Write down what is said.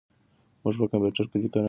موږ په کمپیوټر کې لیکنه وکړه.